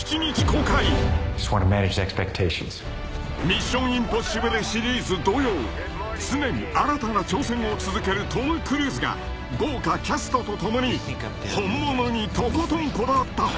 ［『ミッション：インポッシブル』シリーズ同様常に新たな挑戦を続けるトム・クルーズが豪華キャストと共に本物にとことんこだわった本作］